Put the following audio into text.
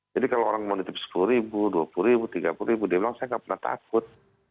jadi kalau orang mau ditip sepuluh ribu dua puluh ribu tiga puluh ribu dia bilang saya nggak pernah takut